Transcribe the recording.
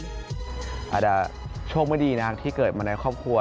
อาจจะโชคไม่ดีนะที่เกิดมาในครอบครัว